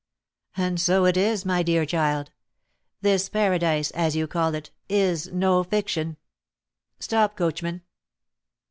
"And so it is, my dear child! This paradise, as you call it, is no fiction." "Stop, coachman!"